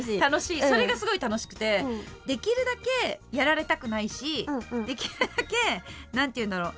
それがすごい楽しくてできるだけやられたくないしできるだけ何て言うんだろう